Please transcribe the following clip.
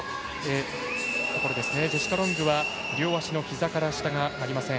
ジェシカ・ロングは両足のひざから下がありません。